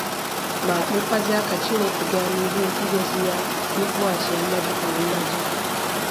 ma kpekwazie ka Chineke gaa n'ihu ịgọzi ya na ịkwụghachi ya mmaji kwuru mmaji.